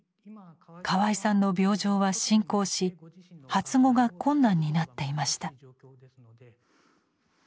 河合さんの病状は進行し発語が困難になっていました。